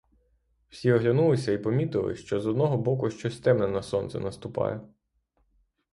Всі оглянулися і помітили, що з одного боку щось темне на сонце наступає.